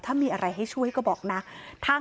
ถ้ามีอะไรให้ช่วยก็บอกนะ